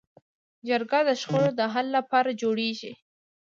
جرګه د شخړو د حل لپاره جوړېږي